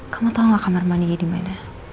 kamu tau gak kamar mandinya dimana